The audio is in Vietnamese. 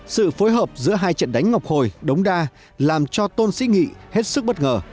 sự phối hợp giữa hai trận đánh ngọc hồi đống đa làm cho tôn sĩ nghị hết sức bất ngờ